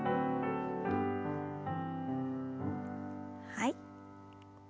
はい。